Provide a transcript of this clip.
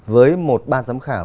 với một ban giám khảo